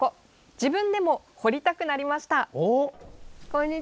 自分でも、掘りたくなりました！